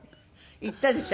言ったでしょ？